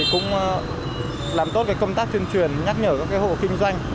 cũng làm tốt công tác tuyên truyền nhắc nhở các hộ kinh doanh